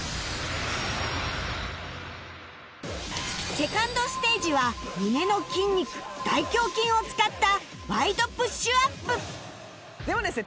セカンドステージは胸の筋肉大胸筋を使ったワイドプッシュアップではですね